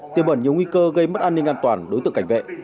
tiêu bẩn nhiều nguy cơ gây mất an ninh an toàn đối tượng cảnh vệ